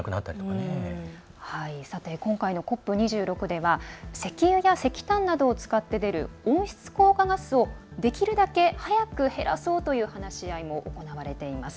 今回のＣＯＰ２６では石油や石炭などを使って出る温室効果ガスをできるだけ早く減らそうという話し合いも行われています。